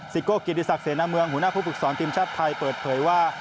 สิโกะกิจศักดิ์เสนอเมืองหัวหน้าผู้ปรึกษรทีมชาติไทยเปิดเผยว่า